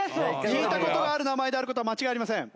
聞いた事がある名前である事は間違いありません。